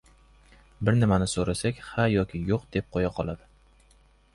Bir nimani so‘rasak, ha yo yo‘q deb qo‘ya qoladi.